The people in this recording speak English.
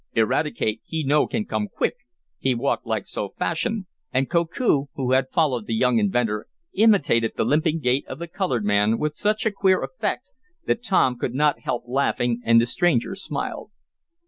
"Eradicate, he no can come quick. He walk like so fashion!" and Koku, who had followed the young inventor, imitated the limping gait of the colored man with such a queer effect that Tom could not help laughing, and the stranger smiled.